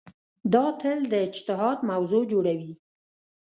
دا تل د اجتهاد موضوع جوړوي.